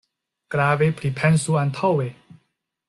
Grave pripensu antaŭe.